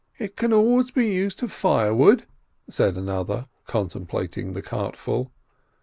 "It can always be used for firewood," said another, contemplating the cartful.